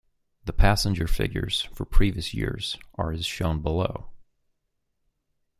The passenger figures for previous years are as shown below.